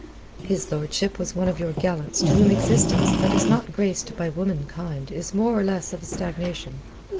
His lordship was one of your gallants to whom existence that is not graced by womankind is more or less of a stagnation.